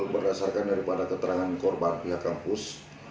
berdasarkan daripada keterangan korban pihak kampus